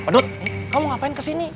dud kamu ngapain kesini